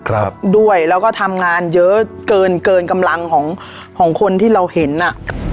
ครับด้วยแล้วก็ทำงานเยอะเกินเกินกำลังของของคนที่เราเห็นอ่ะ